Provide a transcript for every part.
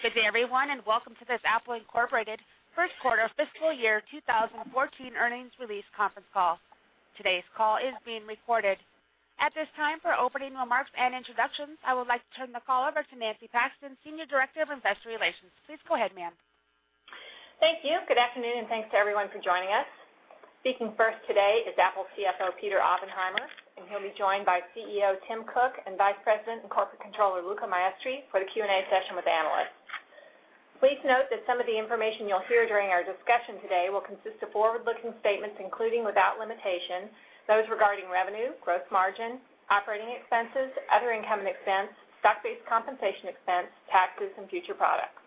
Good day, everyone, and welcome to this Apple Inc. first quarter fiscal year 2014 earnings release conference call. Today's call is being recorded. At this time, for opening remarks and introductions, I would like to turn the call over to Nancy Paxton, Senior Director of Investor Relations. Please go ahead, ma'am. Thank you. Good afternoon, thanks to everyone for joining us. Speaking first today is Apple CFO, Peter Oppenheimer, and he'll be joined by CEO Tim Cook and Vice President and Corporate Controller Luca Maestri for the Q&A session with analysts. Please note that some of the information you'll hear during our discussion today will consist of forward-looking statements, including, without limitation, those regarding revenue, gross margin, operating expenses, other income and expense, stock-based compensation expense, taxes, and future products.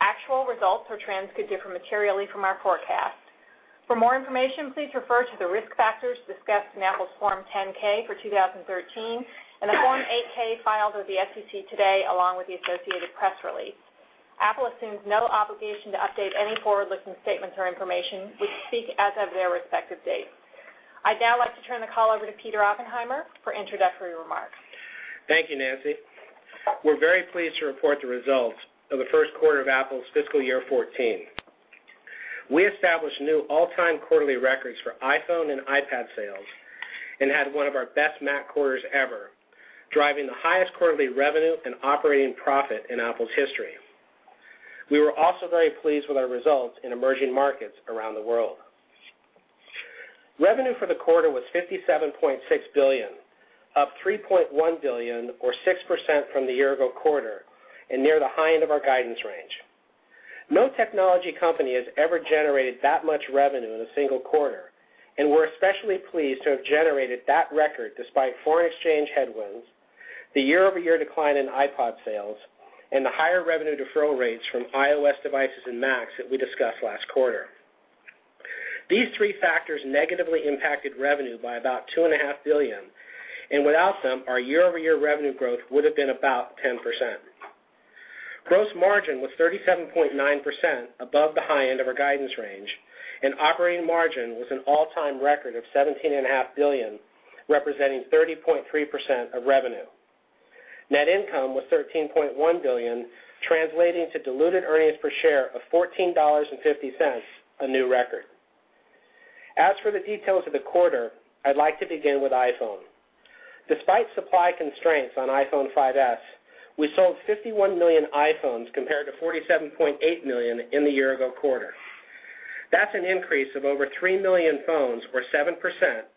Actual results or trends could differ materially from our forecasts. For more information, please refer to the risk factors discussed in Apple's Form 10-K for 2013 and the Form 8-K filed with the SEC today, along with the associated press release. Apple assumes no obligation to update any forward-looking statements or information, which speak as of their respective dates. I'd now like to turn the call over to Peter Oppenheimer for introductory remarks. Thank you, Nancy. We're very pleased to report the results of the first quarter of Apple's fiscal year 2014. We established new all-time quarterly records for iPhone and iPad sales and had one of our best Mac quarters ever, driving the highest quarterly revenue and operating profit in Apple's history. We were also very pleased with our results in emerging markets around the world. Revenue for the quarter was $57.6 billion, up $3.1 billion or 6% from the year-ago quarter and near the high end of our guidance range. No technology company has ever generated that much revenue in a single quarter. We're especially pleased to have generated that record despite foreign exchange headwinds, the year-over-year decline in iPod sales, and the higher revenue deferral rates from iOS devices and Macs that we discussed last quarter. These three factors negatively impacted revenue by about $2.5 billion, without them, our year-over-year revenue growth would have been about 10%. Gross margin was 37.9%, above the high end of our guidance range, operating margin was an all-time record of $17.5 billion, representing 30.3% of revenue. Net income was $13.1 billion, translating to diluted earnings per share of $14.50, a new record. As for the details of the quarter, I'd like to begin with iPhone. Despite supply constraints on iPhone 5S, we sold 51 million iPhones compared to 47.8 million in the year-ago quarter. That's an increase of over three million phones or 7%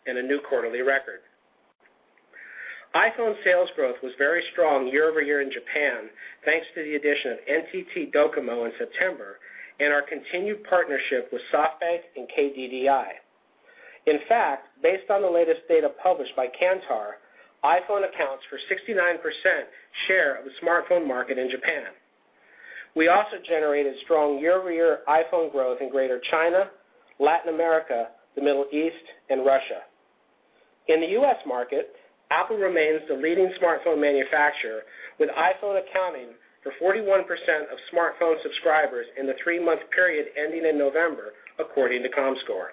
and a new quarterly record. iPhone sales growth was very strong year-over-year in Japan, thanks to the addition of NTT Docomo in September and our continued partnership with SoftBank and KDDI. In fact, based on the latest data published by Kantar, iPhone accounts for 69% share of the smartphone market in Japan. We also generated strong year-over-year iPhone growth in Greater China, Latin America, the Middle East, and Russia. In the U.S. market, Apple remains the leading smartphone manufacturer, with iPhone accounting for 41% of smartphone subscribers in the three-month period ending in November, according to Comscore.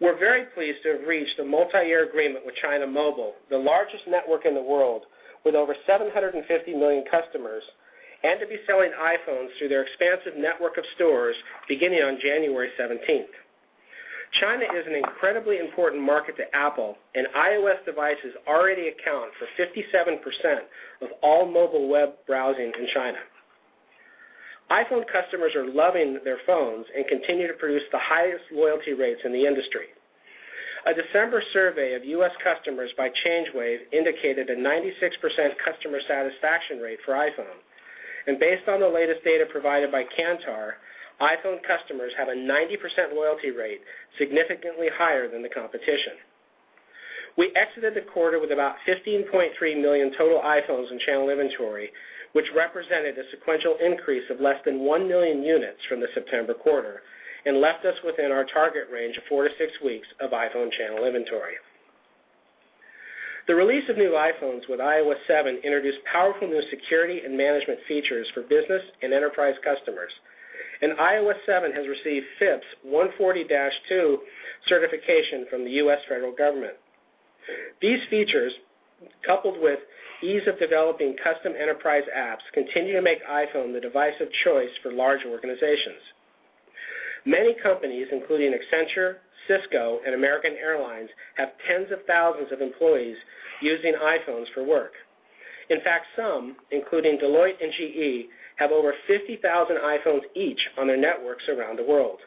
We're very pleased to have reached a multi-year agreement with China Mobile, the largest network in the world with over 750 million customers, and to be selling iPhones through their expansive network of stores beginning on January 17th. China is an incredibly important market to Apple, iOS devices already account for 57% of all mobile web browsing in China. iPhone customers are loving their phones and continue to produce the highest loyalty rates in the industry. A December survey of U.S. customers by Change Wave indicated a 96% customer satisfaction rate for iPhone. Based on the latest data provided by Kantar, iPhone customers have a 90% loyalty rate, significantly higher than the competition. We exited the quarter with about 15.3 million total iPhones in channel inventory, which represented a sequential increase of less than one million units from the September quarter and left us within our target range of four to six weeks of iPhone channel inventory. The release of new iPhones with iOS 7 introduced powerful new security and management features for business and enterprise customers, iOS 7 has received FIPS 140-2 certification from the U.S. federal government. These features, coupled with ease of developing custom enterprise apps, continue to make iPhone the device of choice for large organizations. Many companies, including Accenture, Cisco, and American Airlines, have tens of thousands of employees using iPhones for work. In fact, some, including Deloitte and GE, have over 50,000 iPhones each on their networks around the world.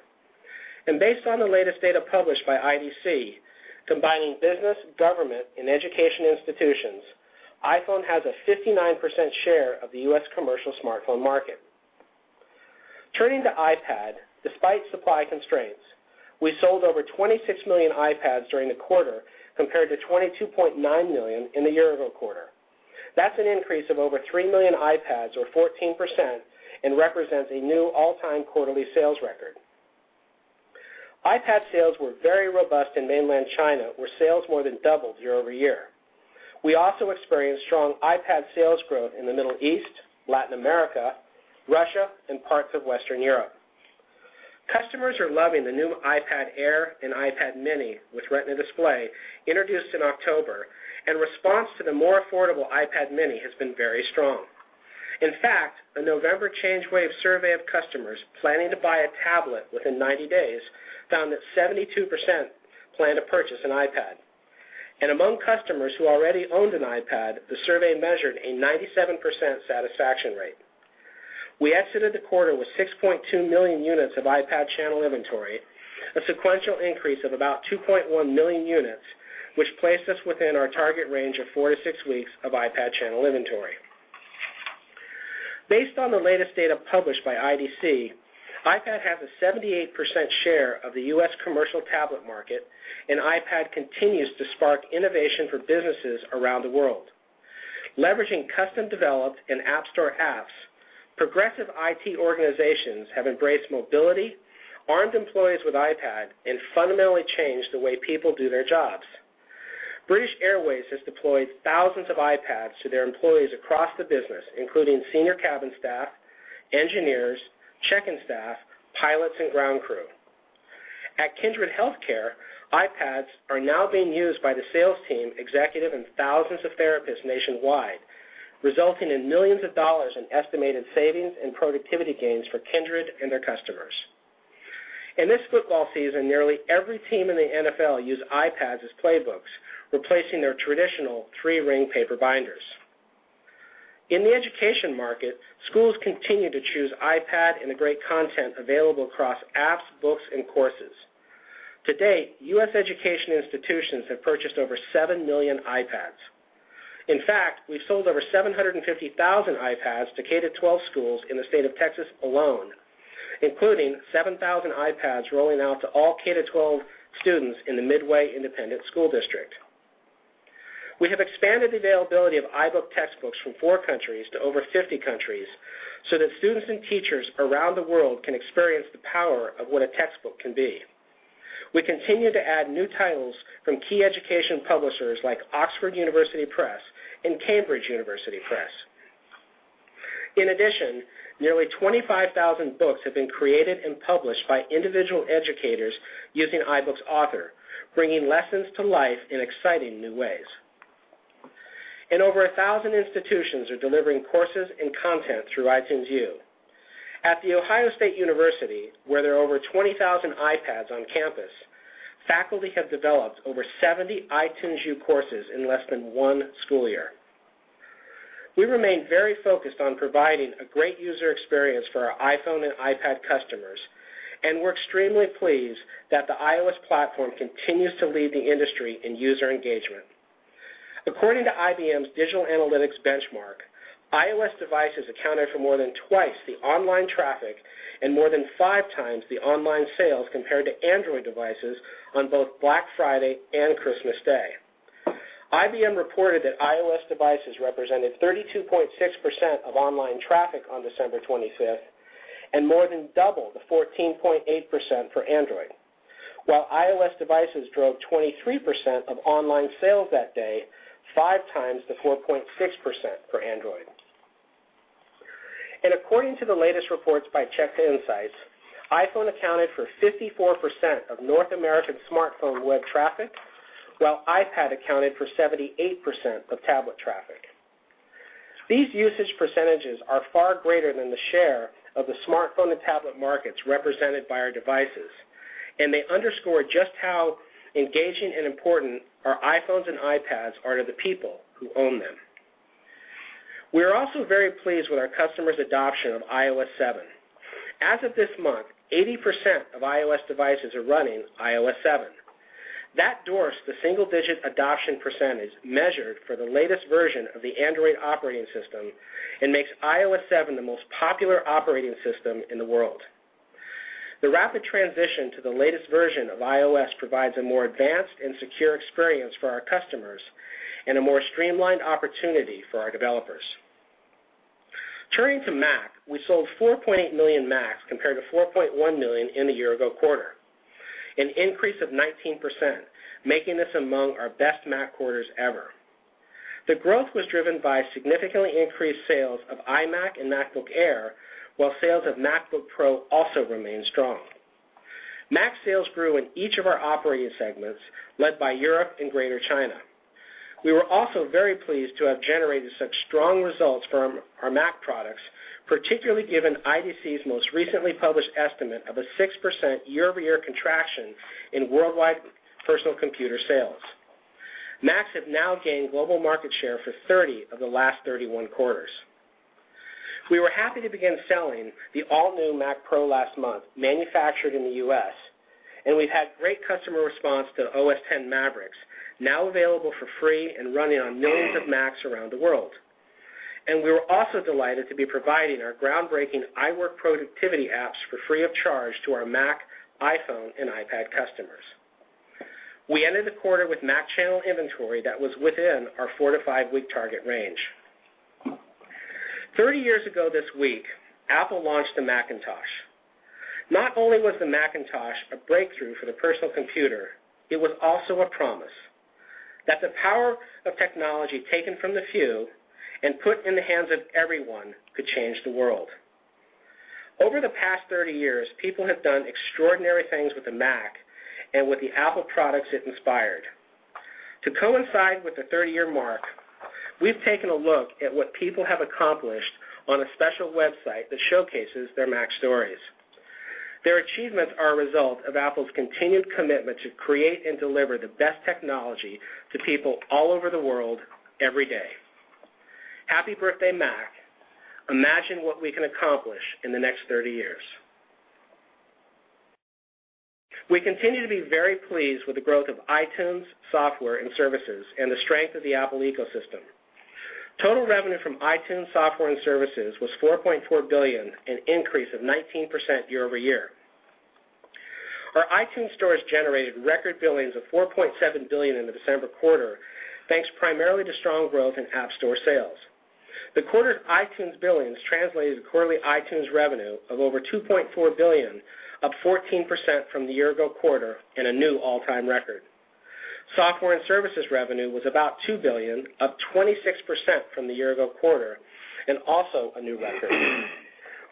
Based on the latest data published by IDC, combining business, government, and education institutions, iPhone has a 59% share of the U.S. commercial smartphone market. Turning to iPad, despite supply constraints, we sold over 26 million iPads during the quarter, compared to 22.9 million in the year-ago quarter. That's an increase of over three million iPads or 14% and represents a new all-time quarterly sales record. iPad sales were very robust in mainland China, where sales more than doubled year-over-year. We also experienced strong iPad sales growth in the Middle East, Latin America, Russia, and parts of Western Europe. Customers are loving the new iPad Air and iPad mini with Retina display introduced in October, response to the more affordable iPad mini has been very strong. In fact, a November ChangeWave survey of customers planning to buy a tablet within 90 days found that 72% plan to purchase an iPad. Among customers who already owned an iPad, the survey measured a 97% satisfaction rate. We exited the quarter with 6.2 million units of iPad channel inventory, a sequential increase of about 2.1 million units, which placed us within our target range of four to six weeks of iPad channel inventory. Based on the latest data published by IDC, iPad has a 78% share of the U.S. commercial tablet market, and iPad continues to spark innovation for businesses around the world. Leveraging custom-developed and App Store apps, progressive IT organizations have embraced mobility, armed employees with iPad, and fundamentally changed the way people do their jobs. British Airways has deployed thousands of iPads to their employees across the business, including senior cabin staff, engineers, check-in staff, pilots, and ground crew. At Kindred Healthcare, iPads are now being used by the sales team, executive, and thousands of therapists nationwide, resulting in millions of dollars in estimated savings and productivity gains for Kindred and their customers. In this football season, nearly every team in the NFL use iPads as playbooks, replacing their traditional three-ring paper binders. In the education market, schools continue to choose iPad and the great content available across apps, books, and courses. To date, U.S. education institutions have purchased over 7 million iPads. In fact, we've sold over 750,000 iPads to K-12 schools in the state of Texas alone, including 7,000 iPads rolling out to all K-12 students in the Midway Independent School District. We have expanded availability of iBooks textbooks from four countries to over 50 countries so that students and teachers around the world can experience the power of what a textbook can be. We continue to add new titles from key education publishers like Oxford University Press and Cambridge University Press. In addition, nearly 25,000 books have been created and published by individual educators using iBooks Author, bringing lessons to life in exciting new ways. Over 1,000 institutions are delivering courses and content through iTunes U. At The Ohio State University, where there are over 20,000 iPads on campus, faculty have developed over 70 iTunes U courses in less than one school year. We remain very focused on providing a great user experience for our iPhone and iPad customers, and we're extremely pleased that the iOS platform continues to lead the industry in user engagement. According to IBM's Digital Analytics Benchmark, iOS devices accounted for more than twice the online traffic and more than five times the online sales compared to Android devices on both Black Friday and Christmas Day. IBM reported that iOS devices represented 32.6% of online traffic on December 25th and more than double the 14.8% for Android. While iOS devices drove 23% of online sales that day, five times the 4.6% for Android. According to the latest reports by Chitika Insights, iPhone accounted for 54% of North American smartphone web traffic, while iPad accounted for 78% of tablet traffic. These usage percentages are far greater than the share of the iPhone and iPad markets represented by our devices. They underscore just how engaging and important our iPhones and iPads are to the people who own them. We are also very pleased with our customers' adoption of iOS 7. As of this month, 80% of iOS devices are running iOS 7. That dwarfs the single-digit adoption percentage measured for the latest version of the Android operating system and makes iOS 7 the most popular operating system in the world. The rapid transition to the latest version of iOS provides a more advanced and secure experience for our customers and a more streamlined opportunity for our developers. Turning to Mac, we sold 4.8 million Macs compared to 4.1 million in the year-ago quarter, an increase of 19%, making this among our best Mac quarters ever. The growth was driven by significantly increased sales of iMac and MacBook Air, while sales of MacBook Pro also remained strong. Mac sales grew in each of our operating segments, led by Europe and Greater China. We were also very pleased to have generated such strong results from our Mac products, particularly given IDC's most recently published estimate of a 6% year-over-year contraction in worldwide personal computer sales. Macs have now gained global market share for 30 of the last 31 quarters. We were happy to begin selling the all-new Mac Pro last month, manufactured in the U.S. We've had great customer response to OS X Mavericks, now available for free and running on millions of Macs around the world. We were also delighted to be providing our groundbreaking iWork productivity apps for free of charge to our Mac, iPhone, and iPad customers. We ended the quarter with Mac channel inventory that was within our four to five week target range. 30 years ago this week, Apple launched the Macintosh. Not only was the Macintosh a breakthrough for the personal computer, it was also a promise. That the power of technology taken from the few and put in the hands of everyone could change the world. Over the past 30 years, people have done extraordinary things with the Mac and with the Apple products it inspired. To coincide with the 30-year mark, we've taken a look at what people have accomplished on a special website that showcases their Mac stories. Their achievements are a result of Apple's continued commitment to create and deliver the best technology to people all over the world, every day. Happy birthday, Mac. Imagine what we can accomplish in the next 30 years. We continue to be very pleased with the growth of iTunes, software, and services, and the strength of the Apple ecosystem. Total revenue from iTunes software and services was $4.4 billion, an increase of 19% year-over-year. Our iTunes stores generated record billings of $4.7 billion in the December quarter, thanks primarily to strong growth in App Store sales. The quarter's iTunes billings translated to quarterly iTunes revenue of over $2.4 billion, up 14% from the year-ago quarter and a new all-time record. Software and services revenue was about $2 billion, up 26% from the year-ago quarter and also a new record.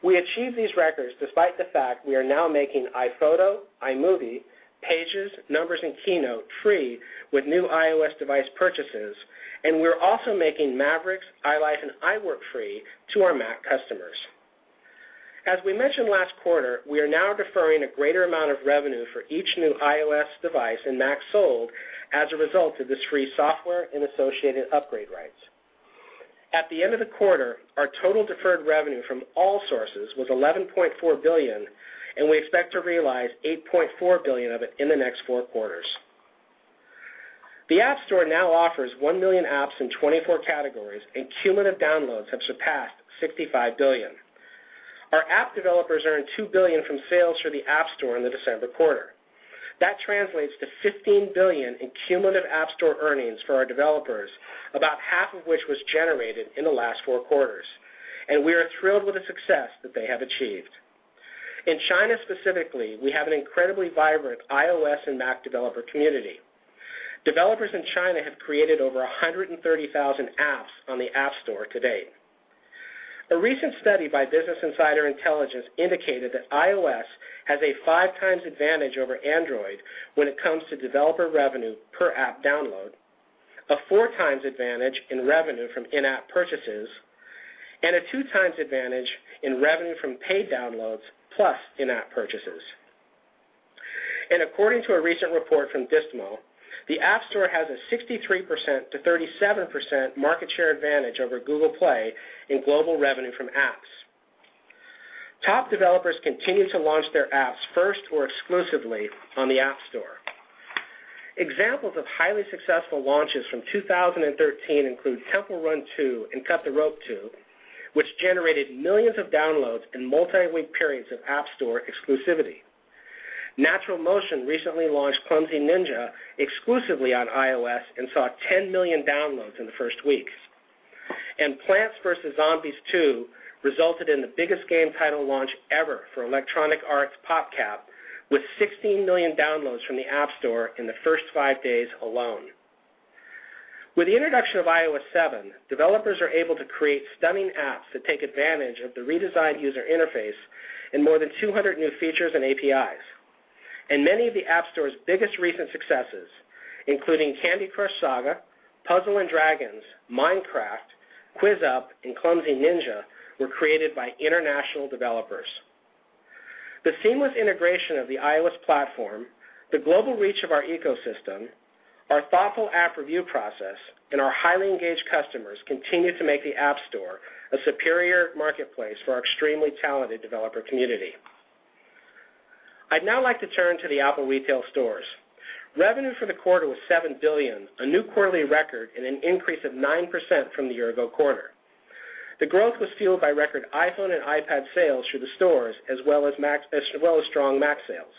We achieved these records despite the fact we are now making iPhoto, iMovie, Pages, Numbers, and Keynote free with new iOS device purchases. We're also making Mavericks, iLife, and iWork free to our Mac customers. As we mentioned last quarter, we are now deferring a greater amount of revenue for each new iOS device and Mac sold as a result of this free software and associated upgrade rights. At the end of the quarter, our total deferred revenue from all sources was $11.4 billion, and we expect to realize $8.4 billion of it in the next four quarters. The App Store now offers 1 million apps in 24 categories, and cumulative downloads have surpassed 65 billion. Our app developers earned $2 billion from sales through the App Store in the December quarter. That translates to $15 billion in cumulative App Store earnings for our developers, about half of which was generated in the last four quarters, and we are thrilled with the success that they have achieved. In China specifically, we have an incredibly vibrant iOS and Mac developer community. Developers in China have created over 130,000 apps on the App Store to date. A recent study by Business Insider Intelligence indicated that iOS has a 5 times advantage over Android when it comes to developer revenue per app download, a 4 times advantage in revenue from in-app purchases, and a 2 times advantage in revenue from paid downloads plus in-app purchases. According to a recent report from Distimo, the App Store has a 63% to 37% market share advantage over Google Play in global revenue from apps. Top developers continue to launch their apps first or exclusively on the App Store. Examples of highly successful launches from 2013 include Temple Run 2 and Cut the Rope 2, which generated millions of downloads in multi-week periods of App Store exclusivity. NaturalMotion recently launched Clumsy Ninja exclusively on iOS and saw 10 million downloads in the first weeks. Plants vs. Zombies 2 resulted in the biggest game title launch ever for Electronic Arts PopCap, with 16 million downloads from the App Store in the first five days alone. With the introduction of iOS 7, developers are able to create stunning apps that take advantage of the redesigned user interface and more than 200 new features and APIs. Many of the App Store's biggest recent successes, including Candy Crush Saga, Puzzle & Dragons, Minecraft, QuizUp, and Clumsy Ninja, were created by international developers. The seamless integration of the iOS platform, the global reach of our ecosystem, our thoughtful app review process, and our highly engaged customers continue to make the App Store a superior marketplace for our extremely talented developer community. I'd now like to turn to the Apple retail stores. Revenue for the quarter was $7 billion, a new quarterly record and an increase of 9% from the year-ago quarter. The growth was fueled by record iPhone and iPad sales through the stores, as well as strong Mac sales.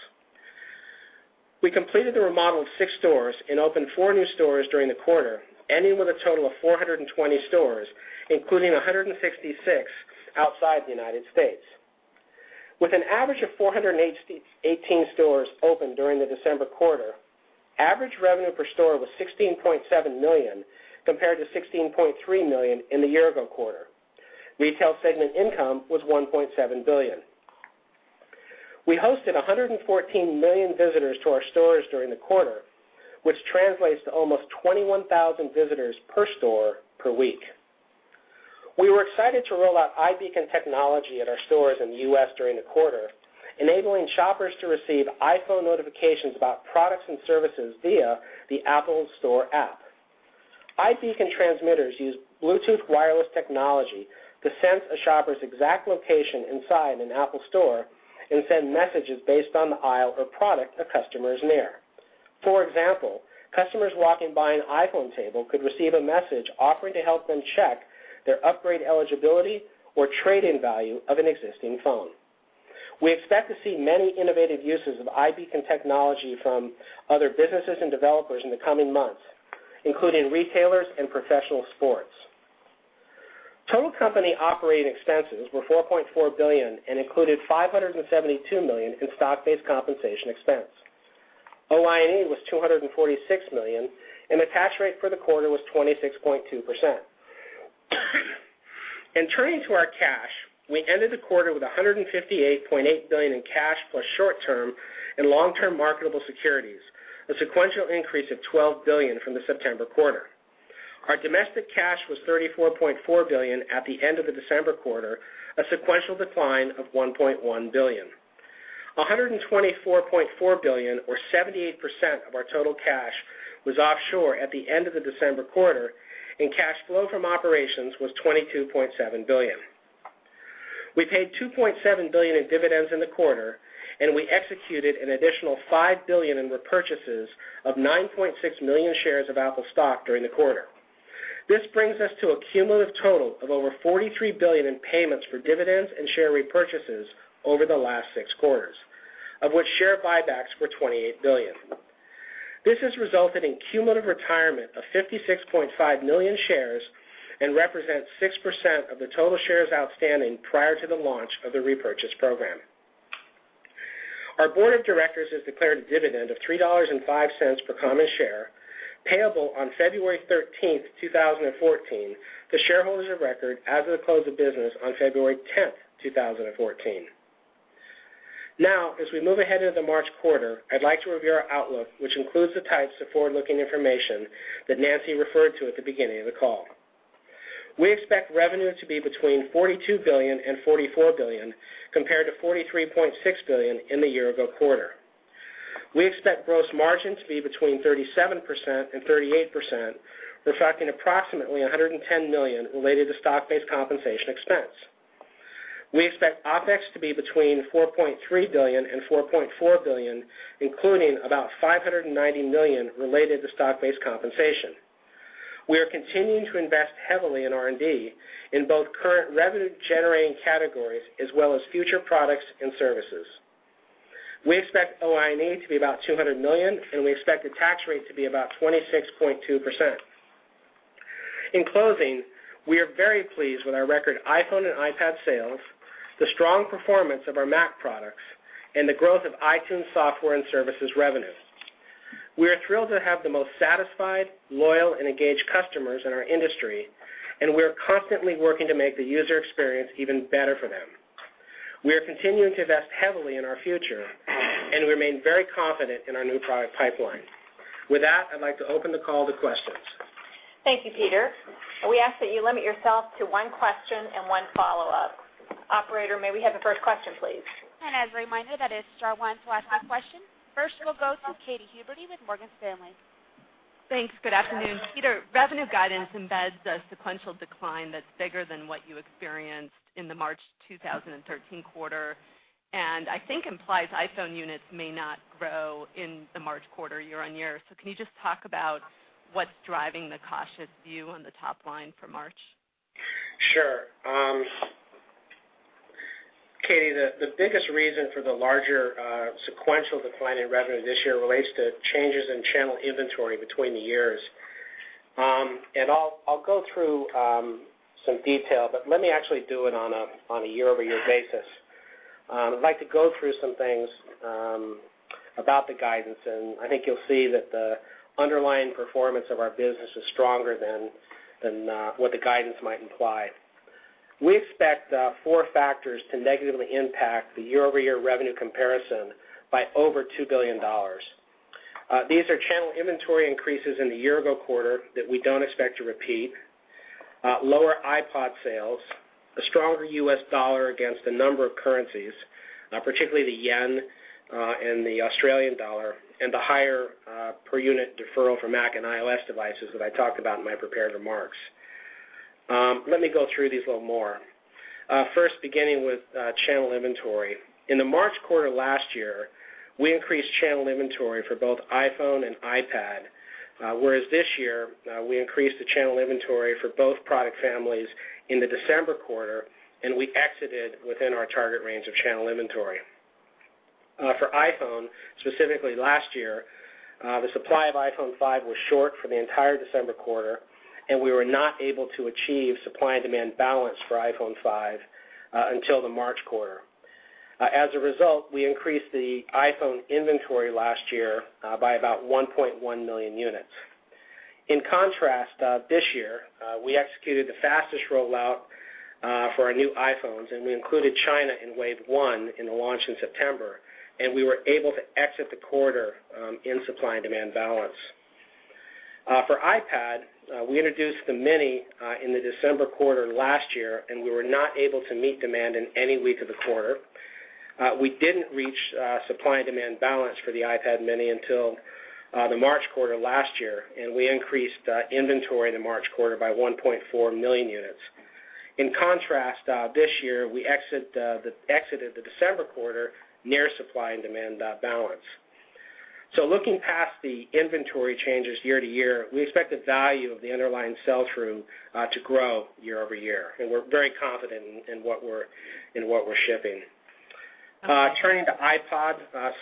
We completed the remodel of six stores and opened four new stores during the quarter, ending with a total of 420 stores, including 166 outside the U.S. With an average of 418 stores open during the December quarter, average revenue per store was $16.7 million, compared to $16.3 million in the year-ago quarter. Retail segment income was $1.7 billion. We hosted 114 million visitors to our stores during the quarter, which translates to almost 21,000 visitors per store per week. We were excited to roll out iBeacon technology at our stores in the U.S. during the quarter, enabling shoppers to receive iPhone notifications about products and services via the Apple Store app. iBeacon transmitters use Bluetooth wireless technology to sense a shopper's exact location inside an Apple Store and send messages based on the aisle or product a customer is near. For example, customers walking by an iPhone table could receive a message offering to help them check their upgrade eligibility or trade-in value of an existing phone. We expect to see many innovative uses of iBeacon technology from other businesses and developers in the coming months, including retailers and professional sports. Total company operating expenses were $4.4 billion and included $572 million in stock-based compensation expense. OIE was $246 million, and the tax rate for the quarter was 26.2%. Turning to our cash, we ended the quarter with $158.8 billion in cash plus short-term and long-term marketable securities, a sequential increase of $12 billion from the September quarter. Our domestic cash was $34.4 billion at the end of the December quarter, a sequential decline of $1.1 billion. $124.4 billion or 78% of our total cash was offshore at the end of the December quarter, and cash flow from operations was $22.7 billion. We paid $2.7 billion in dividends in the quarter, and we executed an additional $5 billion in repurchases of 9.6 million shares of Apple stock during the quarter. This brings us to a cumulative total of over $43 billion in payments for dividends and share repurchases over the last six quarters, of which share buybacks were $28 billion. This has resulted in cumulative retirement of 56.5 million shares and represents 6% of the total shares outstanding prior to the launch of the repurchase program. Our board of directors has declared a dividend of $3.05 per common share, payable on February 13th, 2014 to shareholders of record as of the close of business on February 10th, 2014. As we move ahead into the March quarter, I'd like to review our outlook, which includes the types of forward-looking information that Nancy referred to at the beginning of the call. We expect revenue to be between $42 billion and $44 billion, compared to $43.6 billion in the year-ago quarter. We expect gross margin to be between 37% and 38%, reflecting approximately $110 million related to stock-based compensation expense. We expect OpEx to be between $4.3 billion and $4.4 billion, including about $590 million related to stock-based compensation. We are continuing to invest heavily in R&D in both current revenue-generating categories as well as future products and services. We expect OIE to be about $200 million, and we expect the tax rate to be about 26.2%. In closing, we are very pleased with our record iPhone and iPad sales, the strong performance of our Mac products, and the growth of iTunes software and services revenue. We are thrilled to have the most satisfied, loyal, and engaged customers in our industry, and we are constantly working to make the user experience even better for them. We are continuing to invest heavily in our future and remain very confident in our new product pipeline. With that, I'd like to open the call to questions. Thank you, Peter. We ask that you limit yourself to one question and one follow-up. Operator, may we have the first question, please? As a reminder, that is star one to ask a question. First we'll go to Katy Huberty with Morgan Stanley. Thanks. Good afternoon. Peter, revenue guidance embeds a sequential decline that's bigger than what you experienced in the March 2013 quarter, and I think implies iPhone units may not grow in the March quarter year-on-year. Can you just talk about what's driving the cautious view on the top line for March? Sure. Katy, the biggest reason for the larger sequential decline in revenue this year relates to changes in channel inventory between the years. I'll go through some detail, but let me actually do it on a year-over-year basis. I'd like to go through some things about the guidance, and I think you'll see that the underlying performance of our business is stronger than what the guidance might imply. We expect four factors to negatively impact the year-over-year revenue comparison by over $2 billion. These are channel inventory increases in the year-ago quarter that we don't expect to repeat, lower iPod sales, a stronger U.S. dollar against a number of currencies, particularly the yen and the Australian dollar, and the higher per-unit deferral for Mac and iOS devices that I talked about in my prepared remarks. Let me go through these a little more. First, beginning with channel inventory. In the March quarter last year, we increased channel inventory for both iPhone and iPad, whereas this year we increased the channel inventory for both product families in the December quarter, and we exited within our target range of channel inventory. For iPhone, specifically last year, the supply of iPhone 5 was short for the entire December quarter, and we were not able to achieve supply and demand balance for iPhone 5 until the March quarter. As a result, we increased the iPhone inventory last year by about 1.1 million units. In contrast, this year, we executed the fastest rollout for our new iPhones, and we included China in wave one in the launch in September, and we were able to exit the quarter in supply and demand balance. For iPad, we introduced the mini in the December quarter last year, and we were not able to meet demand in any week of the quarter. We didn't reach supply and demand balance for the iPad mini until the March quarter last year, and we increased inventory in the March quarter by 1.4 million units. In contrast, this year, we exited the December quarter near supply and demand balance. Looking past the inventory changes year-to-year, we expect the value of the underlying sell-through to grow year-over-year, and we're very confident in what we're shipping. Turning to iPod,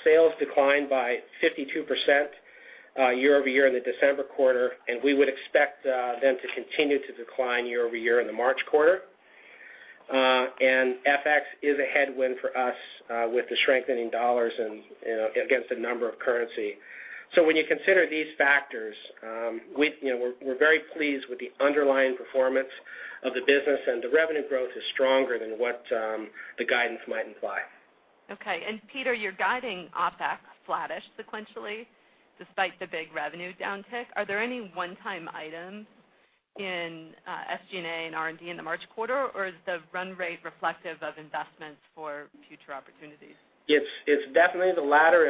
sales declined by 52% year-over-year in the December quarter, and we would expect them to continue to decline year-over-year in the March quarter. FX is a headwind for us with the strengthening dollars against a number of currency. When you consider these factors, we're very pleased with the underlying performance of the business. The revenue growth is stronger than what the guidance might imply. Okay. Peter, you're guiding OpEx flattish sequentially despite the big revenue downtick. Are there any one-time items in SG&A and R&D in the March quarter, or is the run rate reflective of investments for future opportunities? It's definitely the latter.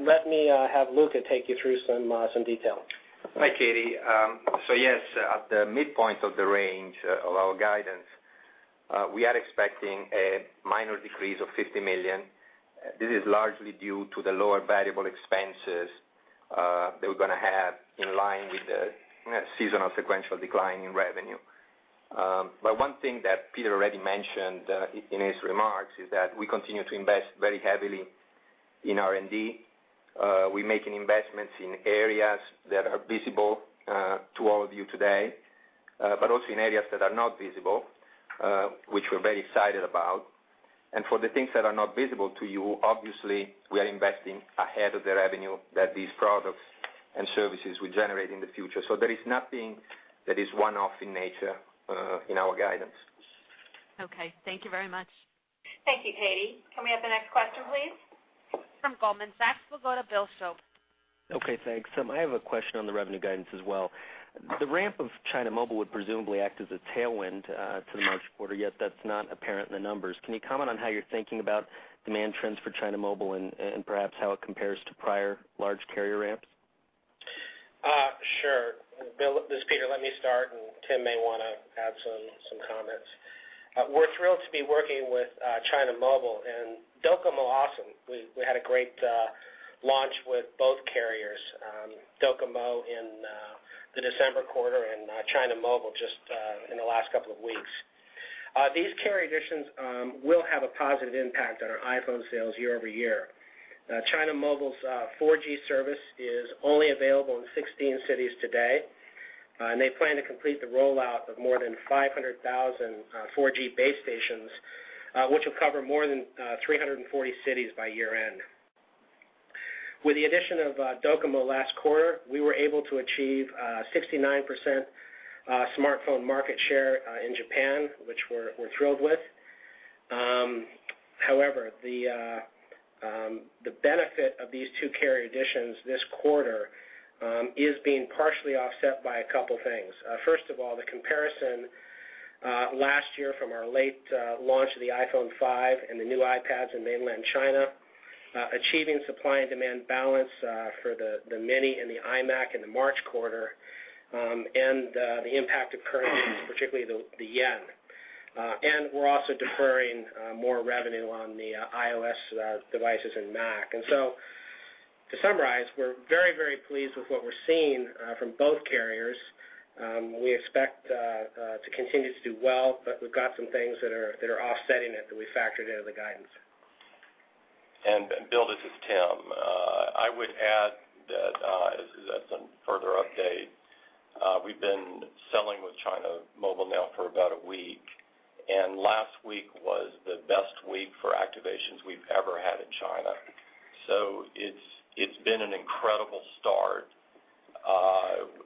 Let me have Luca take you through some details. Hi, Katy. Yes, at the midpoint of the range of our guidance, we are expecting a minor decrease of $50 million. This is largely due to the lower variable expenses that we're going to have in line with the seasonal sequential decline in revenue. One thing that Peter already mentioned in his remarks is that we continue to invest very heavily in R&D. We're making investments in areas that are visible to all of you today, but also in areas that are not visible, which we're very excited about. For the things that are not visible to you, obviously, we are investing ahead of the revenue that these products and services will generate in the future. There is nothing that is one-off in nature in our guidance. Okay. Thank you very much. Thank you, Katy. Can we have the next question, please? From Goldman Sachs, we'll go to Bill Shope. Okay, thanks. I have a question on the revenue guidance as well. The ramp of China Mobile would presumably act as a tailwind to the March quarter, yet that's not apparent in the numbers. Can you comment on how you're thinking about demand trends for China Mobile and perhaps how it compares to prior large carrier ramps? Sure. Bill, this is Peter. Let me start. Tim may want to add some comments. We're thrilled to be working with China Mobile and Docomo. We had a great launch with both carriers, Docomo in the December quarter and China Mobile just in the last couple of weeks. These carrier additions will have a positive impact on our iPhone sales year-over-year. China Mobile's 4G service is only available in 16 cities today. They plan to complete the rollout of more than 500,000 4G base stations, which will cover more than 340 cities by year-end. With the addition of Docomo last quarter, we were able to achieve 69% smartphone market share in Japan, which we're thrilled with. However, the benefit of these two carrier additions this quarter is being partially offset by a couple things. First of all, the comparison last year from our late launch of the iPhone 5 and the new iPads in mainland China, achieving supply and demand balance for the Mini and the iMac in the March quarter, and the impact of currencies, particularly the yen. We're also deferring more revenue on the iOS devices and Mac. To summarize, we're very pleased with what we're seeing from both carriers. We expect to continue to do well, we've got some things that are offsetting it that we factored into the guidance. Bill, this is Tim. I would add that as some further update, we've been selling with China Mobile now for about a week. Last week was the best week for activations we've ever had in China. It's been an incredible start.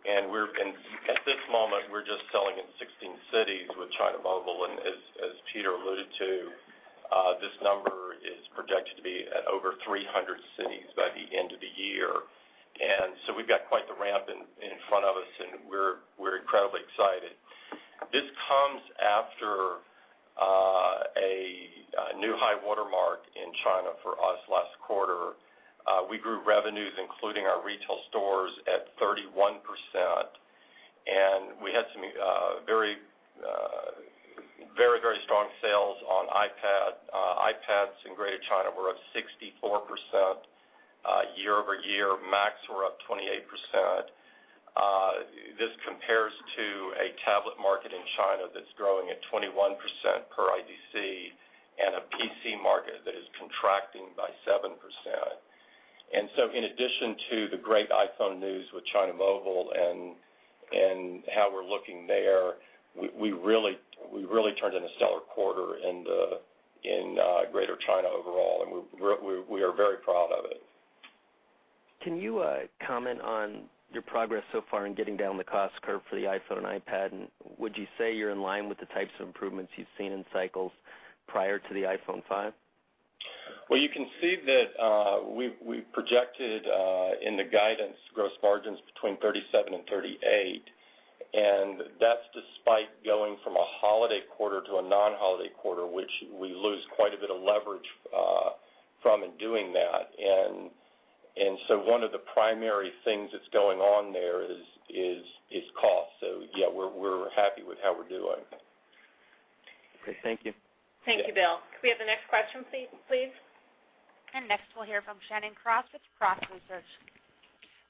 At this moment, we're just selling in 16 cities with China Mobile. As Peter alluded to, this number is projected to be at over 300 cities by the end of the year. We've got quite the ramp in front of us, and we're incredibly excited. This comes after a new high watermark in China for us last quarter. We grew revenues, including our retail stores, at 31%. We had some very strong sales on iPads in Greater China. We're up 64% year-over-year. Macs were up 28%. This compares to a tablet market in China that's growing at 21% per IDC and a PC market that is contracting by 7%. In addition to the great iPhone news with China Mobile and how we're looking there, we really turned in a stellar quarter in Greater China overall, and we are very proud of it. Can you comment on your progress so far in getting down the cost curve for the iPhone and iPad? Would you say you're in line with the types of improvements you've seen in cycles prior to the iPhone 5? You can see that we've projected in the guidance gross margins between 37 and 38. That's despite going from a holiday quarter to a non-holiday quarter, which we lose quite a bit of leverage from in doing that. One of the primary things that's going on there is cost. Yeah, we're happy with how we're doing. Okay, thank you. Thank you, Bill. Could we have the next question, please? Next, we'll hear from Shannon Cross with Cross Research.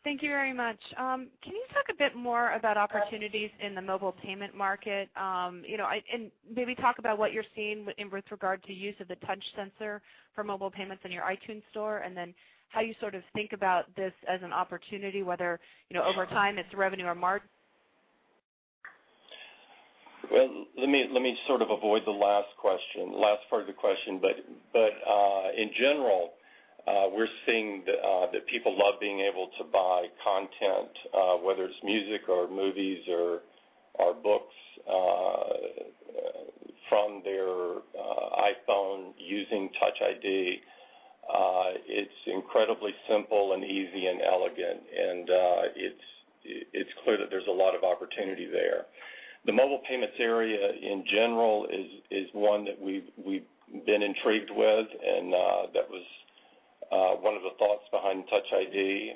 Thank you very much. Can you talk a bit more about opportunities in the mobile payment market? Maybe talk about what you're seeing with regard to use of the touch sensor for mobile payments in your iTunes Store, then how you sort of think about this as an opportunity, whether over time it's revenue or margin. Let me sort of avoid the last part of the question. In general, we're seeing that people love being able to buy content, whether it's music or movies or books, from their iPhone using Touch ID. It's incredibly simple and easy and elegant, and it's clear that there's a lot of opportunity there. The mobile payments area in general is one that we've been intrigued with, and that was one of the thoughts behind Touch ID.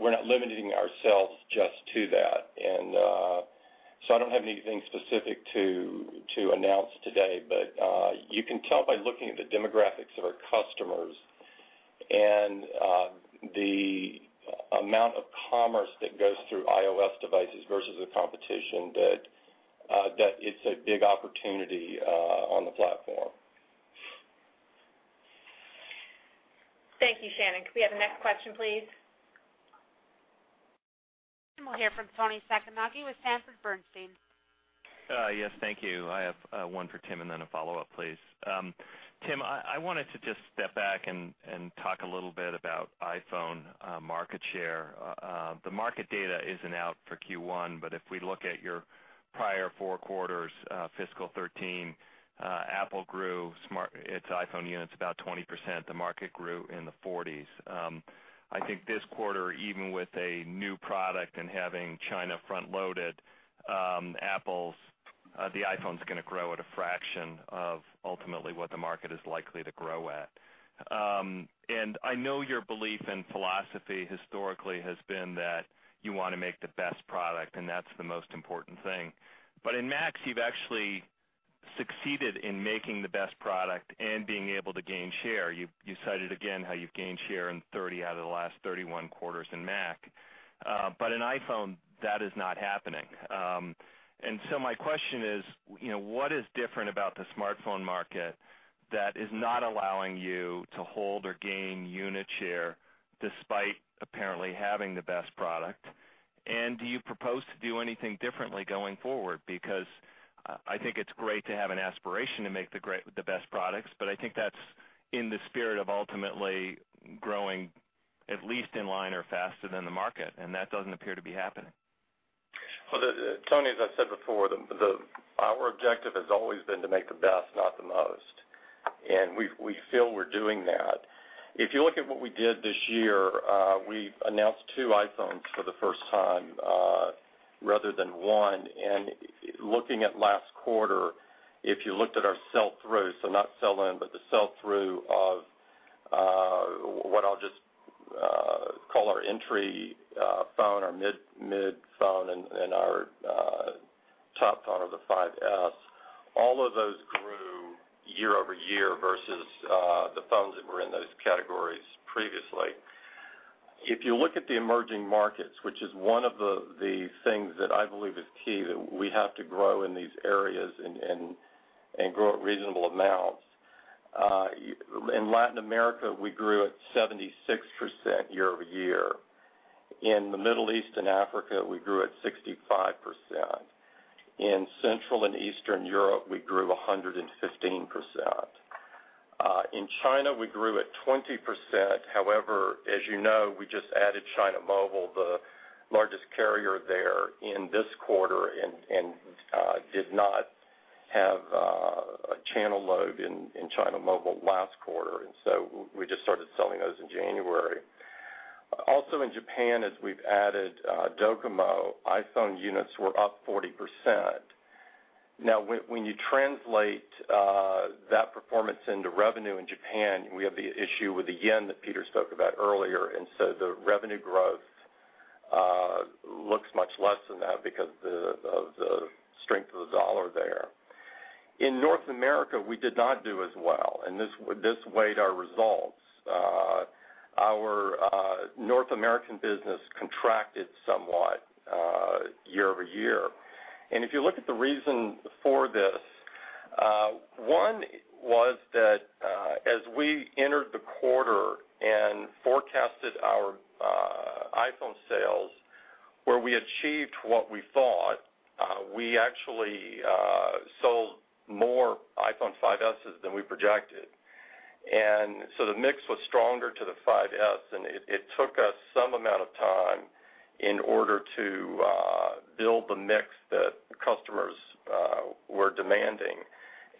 We're not limiting ourselves just to that. I don't have anything specific to announce today, but you can tell by looking at the demographics of our customers and the amount of commerce that goes through iOS devices versus the competition, that it's a big opportunity on the platform. Thank you. Shannon, could we have the next question, please? We'll hear from Toni Sacconaghi with Sanford Bernstein. Thank you. I have one for Tim and then a follow-up, please. Tim, I wanted to just step back and talk a little bit about iPhone market share. The market data isn't out for Q1, but if we look at your prior 4 quarters, fiscal 2013, Apple grew its iPhone units about 20%. The market grew in the 40s. I think this quarter, even with a new product and having China front-loaded, the iPhone's going to grow at a fraction of ultimately what the market is likely to grow at. I know your belief and philosophy historically has been that you want to make the best product, and that's the most important thing. But in Macs, you've actually succeeded in making the best product and being able to gain share. You cited again how you've gained share in 30 out of the last 31 quarters in Mac. In iPhone, that is not happening. My question is, what is different about the smartphone market that is not allowing you to hold or gain unit share despite apparently having the best product? Do you propose to do anything differently going forward? I think it's great to have an aspiration to make the best products, but I think that's in the spirit of ultimately growing at least in line or faster than the market, and that doesn't appear to be happening. Well, Toni, as I said before, our objective has always been to make the best, not the most, and we feel we're doing that. If you look at what we did this year, we announced 2 iPhones for the first time, rather than one. Looking at last quarter, if you looked at our sell-through, so not sell-in, but the sell-through of what I'll just call our entry phone, our mid phone, and our top phone or the iPhone 5s, all of those grew year-over-year versus the phones that were in those categories previously. If you look at the emerging markets, which is one of the things that I believe is key, that we have to grow in these areas and grow at reasonable amounts. In Latin America, we grew at 76% year-over-year. In the Middle East and Africa, we grew at 65%. In Central and Eastern Europe, we grew 115%. In China, we grew at 20%. However, as you know, we just added China Mobile, the largest carrier there in this quarter, did not have a channel load in China Mobile last quarter, so we just started selling those in January. Also in Japan, as we've added Docomo, iPhone units were up 40%. When you translate that performance into revenue in Japan, we have the issue with the yen that Peter spoke about earlier, the revenue growth looks much less than that because of the strength of the dollar there. In North America, we did not do as well, and this weighed our results. Our North American business contracted somewhat year-over-year. If you look at the reason for this, one was that as we entered the quarter and forecasted our iPhone sales, where we achieved what we thought, we actually sold more iPhone 5s than we projected. The mix was stronger to the iPhone 5s, and it took us some amount of time in order to build the mix that customers were demanding.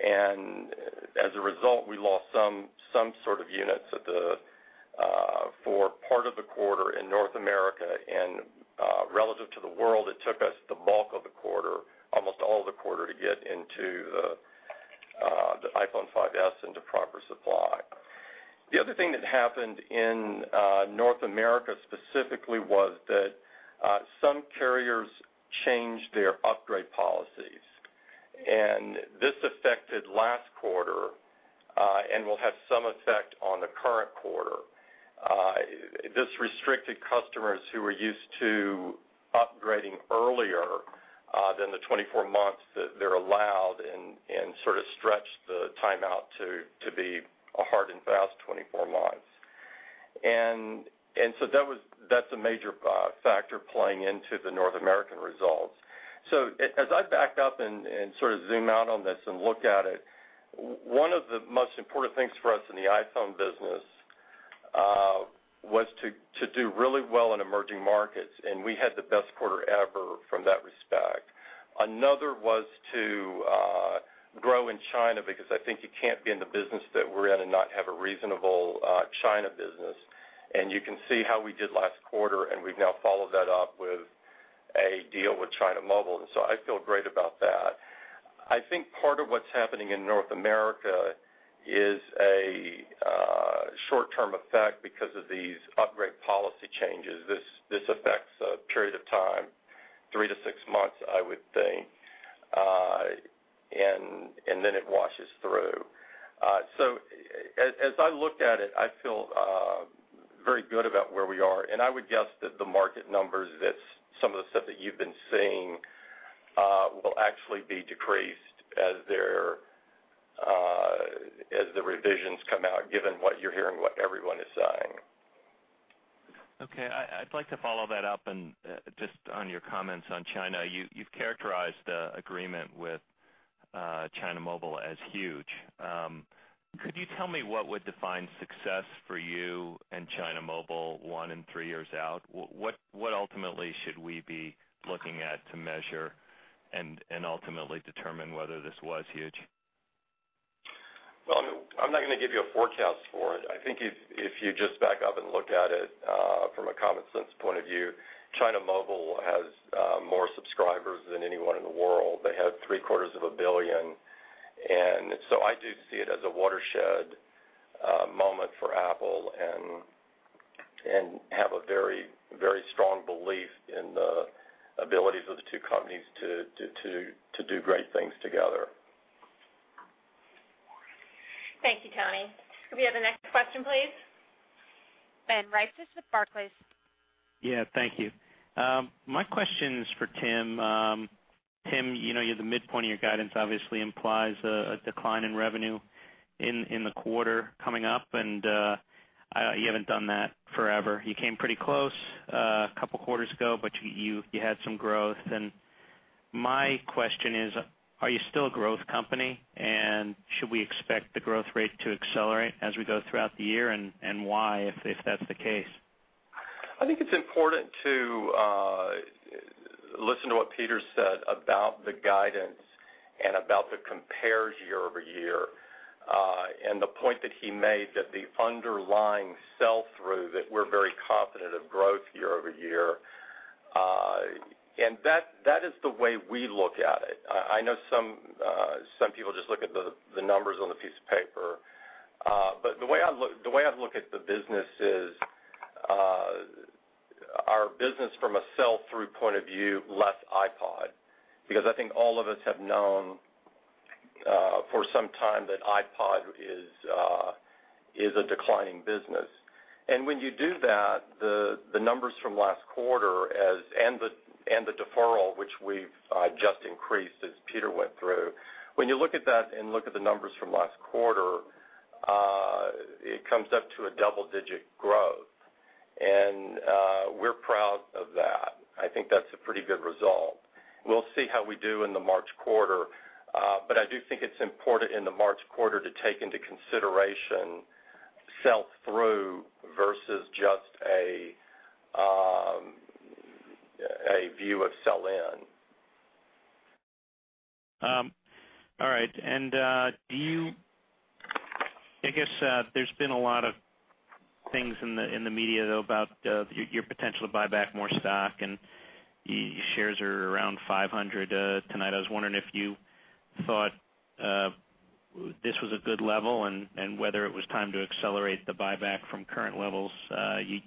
As a result, we lost some sort of units for part of the quarter in North America, and relative to the world, it took us the bulk of the quarter, almost all of the quarter, to get into the iPhone 5s into proper supply. The other thing that happened in North America specifically was that some carriers changed their upgrade policies. This affected last quarter, and will have some effect on the current quarter. This restricted customers who were used to upgrading earlier than the 24 months that they're allowed and sort of stretched the time out to be a hard and fast 24 months. That's a major factor playing into the North American results. As I back up and sort of zoom out on this and look at it, one of the most important things for us in the iPhone business was to do really well in emerging markets, and we had the best quarter ever from that respect. Another was to grow in China, because I think you can't be in the business that we're in and not have a reasonable China business. You can see how we did last quarter, and we've now followed that up with a deal with China Mobile, I feel great about that. I think part of what's happening in North America is a short-term effect because of these upgrade policy changes. This affects a period of time, three to six months, I would think. Then it washes through. As I look at it, I feel very good about where we are, and I would guess that the market numbers, that some of the stuff that you've been seeing, will actually be decreased as the revisions come out, given what you're hearing, what everyone is saying. Okay. I'd like to follow that up and just on your comments on China, you've characterized the agreement with China Mobile as huge. Could you tell me what would define success for you and China Mobile, one and three years out? What ultimately should we be looking at to measure and ultimately determine whether this was huge? Well, I'm not going to give you a forecast for it. I think if you just back up and look at it from a common sense point of view, China Mobile has more subscribers than anyone in the world. They have three quarters of a billion, I do see it as a watershed moment for Apple and have a very strong belief in the abilities of the two companies to do great things together. Thank you, Toni. Could we have the next question, please? Ben Reitzes with Barclays. Yeah. Thank you. My question's for Tim. Tim, the midpoint of your guidance obviously implies a decline in revenue in the quarter coming up. You haven't done that forever. You came pretty close a couple of quarters ago. You had some growth. My question is, are you still a growth company, and should we expect the growth rate to accelerate as we go throughout the year, and why, if that's the case? I think it's important to listen to what Peter said about the guidance and about the compares year-over-year, and the point that he made that the underlying sell-through, that we're very confident of growth year-over-year. That is the way we look at it. I know some people just look at the numbers on a piece of paper. The way I look at the business is, our business from a sell-through point of view, less iPod, because I think all of us have known for some time that iPod is a declining business. When you do that, the numbers from last quarter and the deferral, which we've just increased as Peter went through, when you look at that and look at the numbers from last quarter, it comes up to a double-digit growth. We're proud of that. I think that's a pretty good result. We'll see how we do in the March quarter. I do think it's important in the March quarter to take into consideration sell-through versus just a view of sell-in. All right. I guess, there's been a lot of things in the media, though, about your potential to buy back more stock, and shares are around $500 tonight. I was wondering if you thought this was a good level and whether it was time to accelerate the buyback from current levels.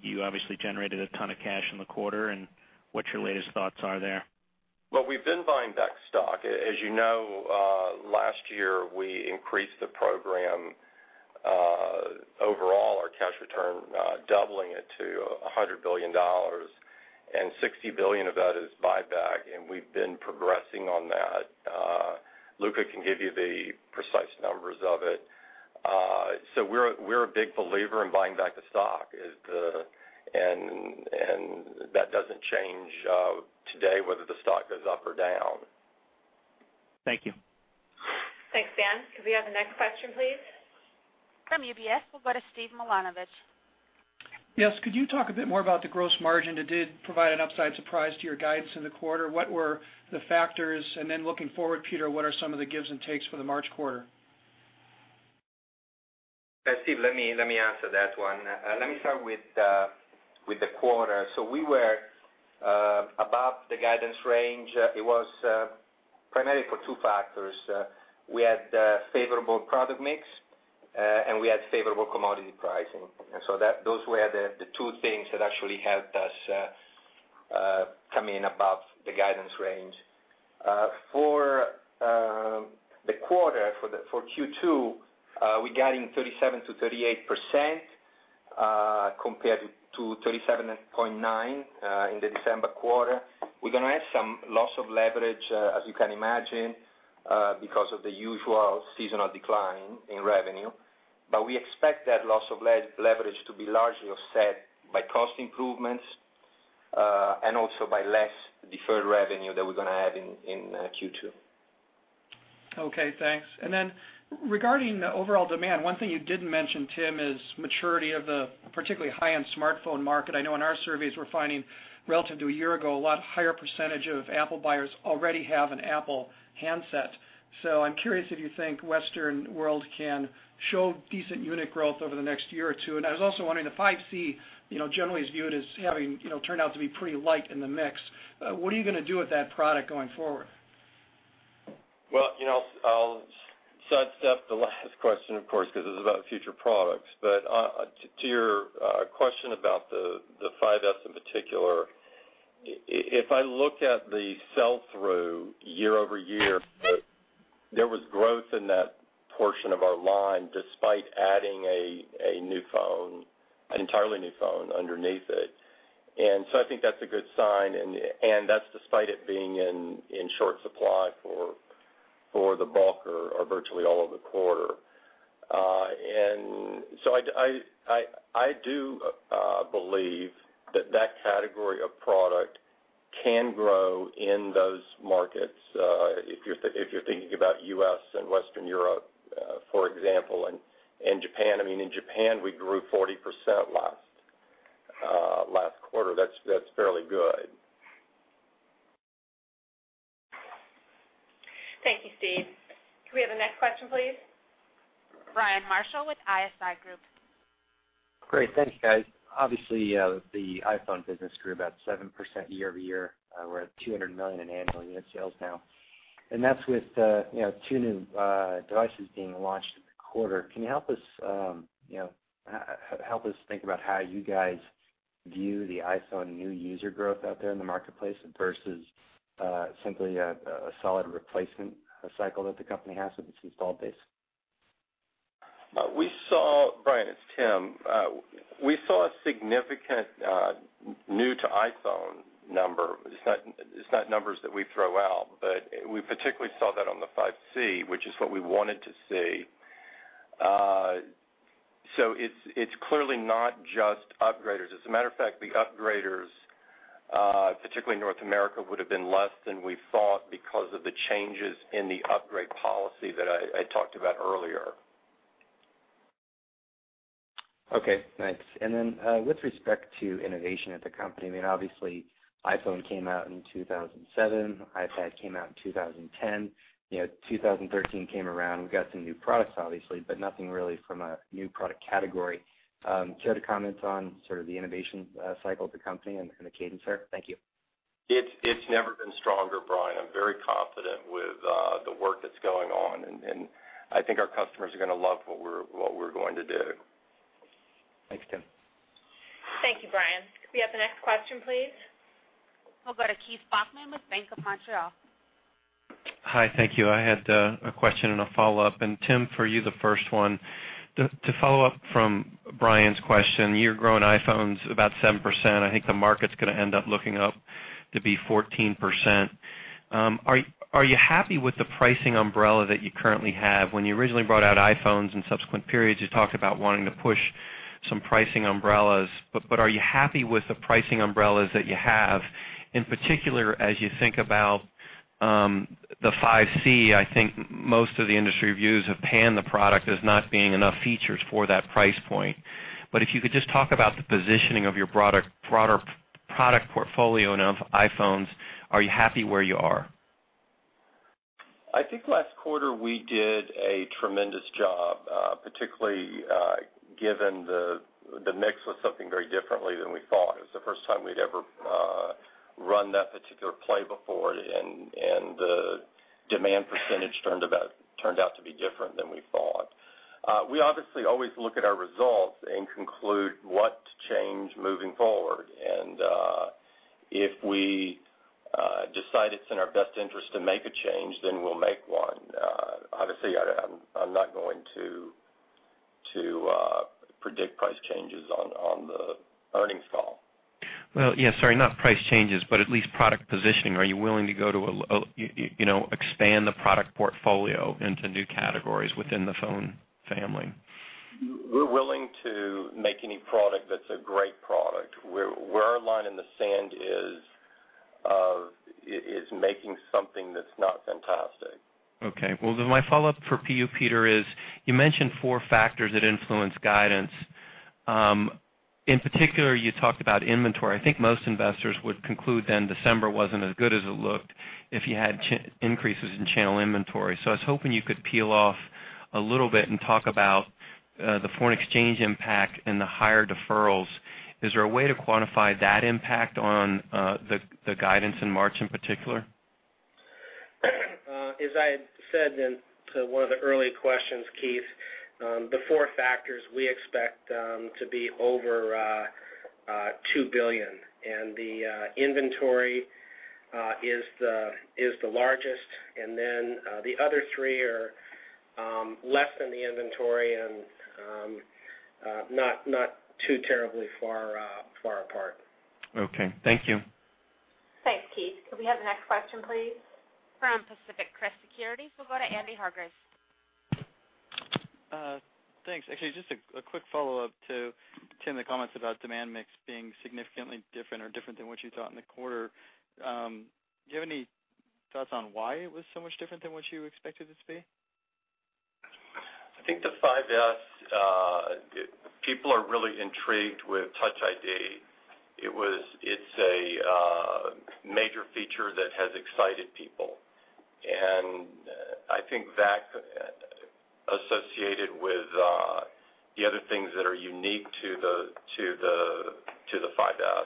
You obviously generated a ton of cash in the quarter, and what your latest thoughts are there. Well, we've been buying back stock. As you know, last year, we increased the program, overall, our cash return, doubling it to $100 billion, and $60 billion of that is buyback, and we've been progressing on that. Luca can give you the precise numbers of it. We're a big believer in buying back the stock. That doesn't change today, whether the stock goes up or down. Thank you. Thanks, Ben. Could we have the next question, please? From UBS, we'll go to Steve Milunovich. Yes. Could you talk a bit more about the gross margin that did provide an upside surprise to your guidance in the quarter? What were the factors? Looking forward, Peter, what are some of the gives and takes for the March quarter? Steve, let me answer that one. Let me start with the quarter. We were above the guidance range. It was primarily for two factors. We had favorable product mix, and we had favorable commodity pricing. Those were the two things that actually helped us come in above the guidance range. For the quarter, for Q2, we're guiding 37%-38%, compared to 37.9% in the December quarter. We're going to have some loss of leverage, as you can imagine, because of the usual seasonal decline in revenue. We expect that loss of leverage to be largely offset by cost improvements, and also by less deferred revenue that we're going to have in Q2. Okay, thanks. Regarding the overall demand, one thing you didn't mention, Tim, is maturity of the particularly high-end smartphone market. I know in our surveys, we're finding relative to a year ago, a lot higher percentage of Apple buyers already have an Apple handset. I'm curious if you think Western world can show decent unit growth over the next year or two. I was also wondering, the 5c, generally is viewed as having turned out to be pretty light in the mix. What are you going to do with that product going forward? Well, I'll sidestep the last question, of course, because it's about future products. To your question about the 5s in particular, if I look at the sell-through year-over-year, there was growth in that portion of our line, despite adding a new phone, an entirely new phone underneath it. I think that's a good sign, and that's despite it being in short supply for the bulk or virtually all of the quarter. I do believe that that category of product can grow in those markets, if you're thinking about U.S. and Western Europe, for example, and Japan. In Japan, we grew 40% last quarter. That's fairly good. Thank you, Steve. Could we have the next question, please? Brian Marshall with ISI Group. Great. Thank you, guys. Obviously, the iPhone business grew about 7% year-over-year. We're at 200 million in annual unit sales now, and that's with two new devices being launched in the quarter. Can you help us think about how you guys view the iPhone new user growth out there in the marketplace versus simply a solid replacement cycle that the company has with its installed base? Brian, it's Tim. We saw a significant new to iPhone number. It's not numbers that we throw out, but we particularly saw that on the 5c, which is what we wanted to see. It's clearly not just upgraders. As a matter of fact, the upgraders, particularly in North America, would've been less than we thought because of the changes in the upgrade policy that I talked about earlier. Okay, thanks. With respect to innovation at the company, obviously iPhone came out in 2007, iPad came out in 2010. 2013 came around, we got some new products obviously, but nothing really from a new product category. Care to comment on sort of the innovation cycle of the company and the cadence there? Thank you. It's never been stronger, Brian. I'm very confident with the work that's going on, I think our customers are going to love what we're going to do. Thanks, Tim. Thank you, Brian. Could we have the next question, please? We'll go to Keith Bachman with Bank of Montreal. Hi, thank you. I had a question and a follow-up, Tim, for you, the first one. To follow up from Brian's question, you're growing iPhones about 7%. I think the market's going to end up looking up to be 14%. Are you happy with the pricing umbrella that you currently have? When you originally brought out iPhones in subsequent periods, you talked about wanting to push some pricing umbrellas. Are you happy with the pricing umbrellas that you have? In particular, as you think about the 5c, I think most of the industry reviews have panned the product as not being enough features for that price point. If you could just talk about the positioning of your broader product portfolio and of iPhones, are you happy where you are? I think last quarter we did a tremendous job, particularly given the mix was something very differently than we thought. It was the first time we'd ever run that particular play before, and the demand % turned out to be different than we thought. We obviously always look at our results and conclude what to change moving forward. If we decide it's in our best interest to make a change, then we'll make one. Obviously, I'm not going to predict price changes on the earnings call. Well, yeah, sorry, not price changes, but at least product positioning. Are you willing to expand the product portfolio into new categories within the phone family? We're willing to make any product that's a great product. Where our line in the sand is making something that's not fantastic. Okay. Well, my follow-up for you, Peter, is you mentioned four factors that influence guidance. In particular, you talked about inventory. I think most investors would conclude then December wasn't as good as it looked if you had increases in channel inventory. I was hoping you could peel off a little bit and talk about the foreign exchange impact and the higher deferrals. Is there a way to quantify that impact on the guidance in March in particular? As I had said in one of the early questions, Keith, the 4 factors we expect to be over $2 billion. The inventory is the largest. The other 3 are less than the inventory and not too terribly far apart. Okay, thank you. Thanks, Keith. Could we have the next question, please? From Pacific Crest Securities, we'll go to Andy Hargreaves. Thanks. Actually, just a quick follow-up to Tim, the comments about demand mix being significantly different or different than what you thought in the quarter. Do you have any thoughts on why it was so much different than what you expected it to be? I think the iPhone 5s, people are really intrigued with Touch ID. It's a major feature that has excited people, I think that associated with the other things that are unique to the iPhone 5s,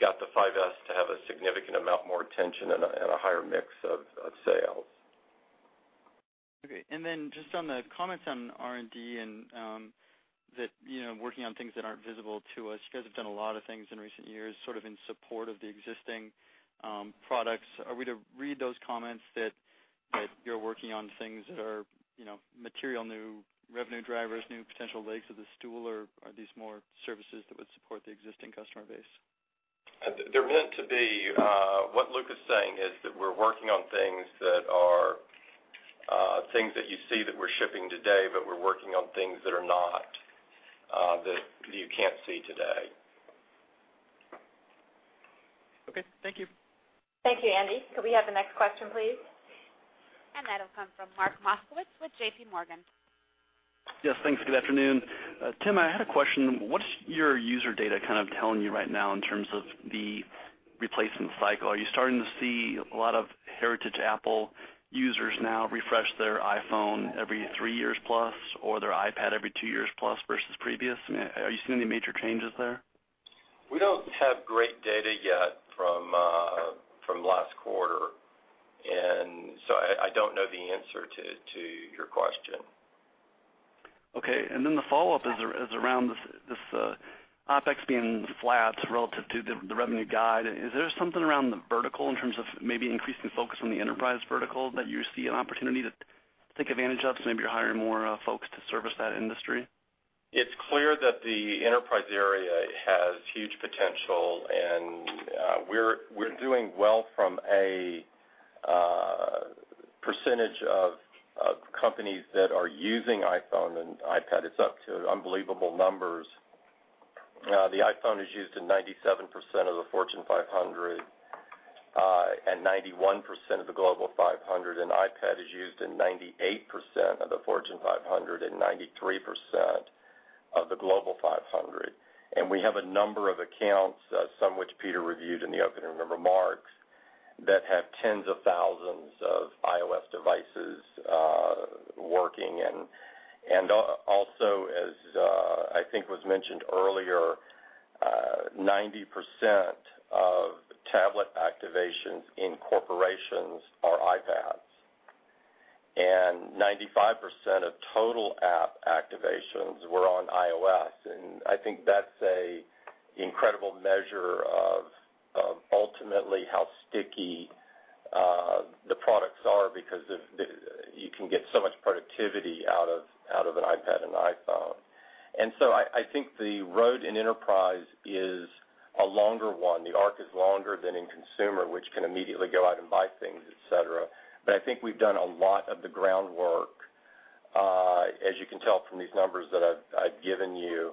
got the iPhone 5s to have a significant amount more attention and a higher mix of sales. Okay, just on the comments on R&D and working on things that aren't visible to us, you guys have done a lot of things in recent years, sort of in support of the existing products. Are we to read those comments that you're working on things that are material new revenue drivers, new potential legs of the stool, or are these more services that would support the existing customer base? They're meant to be. What Luca is saying is that we're working on things that are things that you see that we're shipping today, we're working on things that are not, that you can't see today. Okay. Thank you. Thank you, Andy. Could we have the next question, please? That'll come from Mark Moskowitz with J.P. Morgan. Yes, thanks. Good afternoon. Tim, I had a question. What's your user data telling you right now in terms of the replacement cycle? Are you starting to see a lot of heritage Apple users now refresh their iPhone every three years plus, or their iPad every two years plus versus previous? Are you seeing any major changes there? We don't have great data yet from last quarter, and so I don't know the answer to your question. Okay, the follow-up is around this OpEx being flat relative to the revenue guide. Is there something around the vertical in terms of maybe increasing focus on the enterprise vertical that you see an opportunity to take advantage of? Maybe you're hiring more folks to service that industry. It's clear that the enterprise area has huge potential, and we're doing well from a percentage of companies that are using iPhone and iPad. It's up to unbelievable numbers. The iPhone is used in 97% of the Fortune 500 and 91% of the Global 500, iPad is used in 98% of the Fortune 500 and 93% of the Global 500. We have a number of accounts, some which Peter reviewed in the opening remarks, that have tens of thousands of iOS devices working. Also, as I think was mentioned earlier, 90% of tablet activations in corporations are iPads, and 95% of total app activations were on iOS. I think that's an incredible measure of ultimately how sticky the products are because you can get so much productivity out of an iPad and iPhone. I think the road in enterprise is a longer one. The arc is longer than in consumer, which can immediately go out and buy things, et cetera. I think we've done a lot of the groundwork, as you can tell from these numbers that I've given you,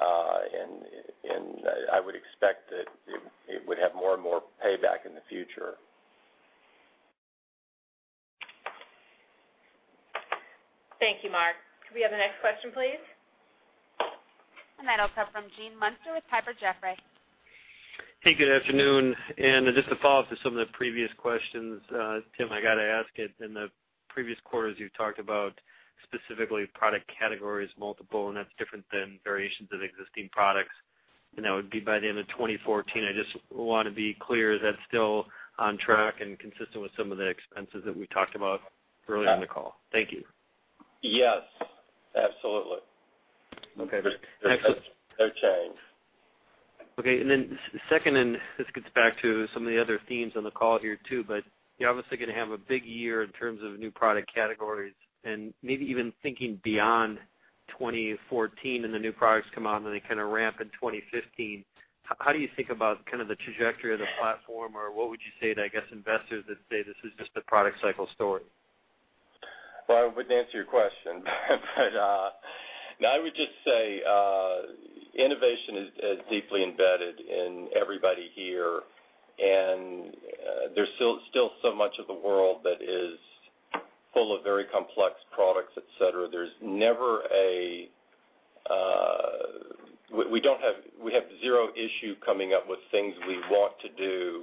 and I would expect that it would have more and more payback in the future. Thank you, Mark. Could we have the next question, please? That'll come from Gene Munster with Piper Jaffray. Hey, good afternoon. Just to follow up to some of the previous questions, Tim, I got to ask it. In the previous quarters, you've talked about specifically product categories multiple, and that's different than variations of existing products, and that would be by the end of 2014. I just want to be clear, is that still on track and consistent with some of the expenses that we talked about earlier in the call? Thank you. Yes, absolutely. Okay. No change. Okay, second, this gets back to some of the other themes on the call here, too. You're obviously going to have a big year in terms of new product categories and maybe even thinking beyond 2014. The new products come out and they kind of ramp in 2015. How do you think about the trajectory of the platform, or what would you say to, I guess, investors that say this is just a product cycle story? I wouldn't answer your question, no, I would just say innovation is deeply embedded in everybody here. There's still so much of the world that is full of very complex products, et cetera. We have zero issue coming up with things we want to do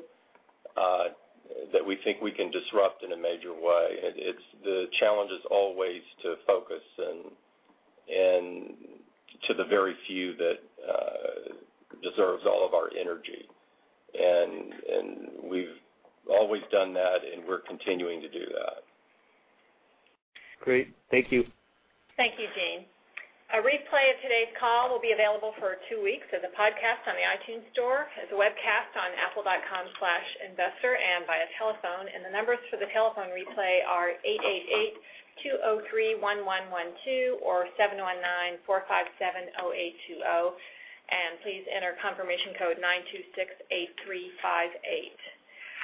that we think we can disrupt in a major way. The challenge is always to focus and to the very few that deserves all of our energy. We've always done that, and we're continuing to do that. Great. Thank you. Thank you, Gene. A replay of today's call will be available for two weeks as a podcast on the iTunes Store, as a webcast on apple.com/investor, and via telephone. The numbers for the telephone replay are 888-203-1112 or 719-457-0820, and please enter confirmation code 9268358.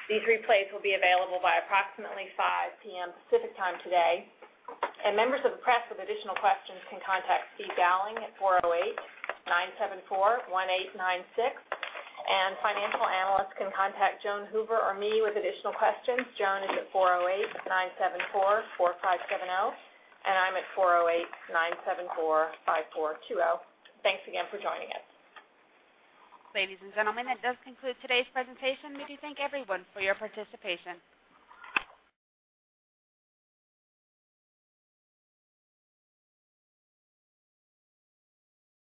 These replays will be available by approximately 5:00 P.M. Pacific Time today. Members of the press with additional questions can contact Steve Dowling at 408-974-1896, and financial analysts can contact Joan Hoover or me with additional questions. Joan is at 408-974-4570, and I'm at 408-974-5420. Thanks again for joining us. Ladies and gentlemen, that does conclude today's presentation. We do thank everyone for your participation.